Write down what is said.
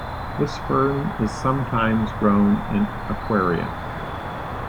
This fern is sometimes grown in aquaria.